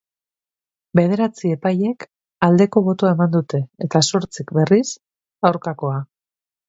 Bederatzi epailek aldeko botoa eman dute eta zortzik, berriz, aukakoa.